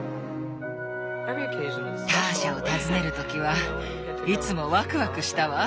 ターシャを訪ねる時はいつもワクワクしたわ。